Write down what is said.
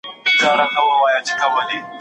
د مفهومي پېژندني لپاره کومې طریقې باید وکارول سي؟